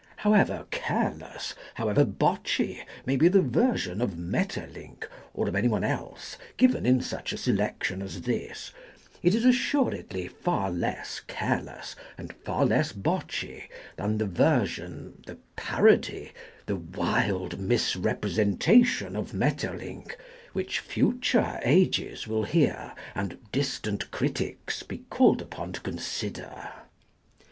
However careless, however botchy, may Maeterlinck be the version of Maeterlinck or of any one else given in such a selection as this, it is assuredly far less careless and far less botchy than the version, the parody, the wild misrepresentation of Maeterlinck which future ages will hear and distant critics be called upon to consider.